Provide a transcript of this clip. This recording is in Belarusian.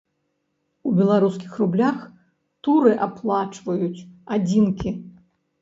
У беларускіх рублях туры аплачваюць адзінкі.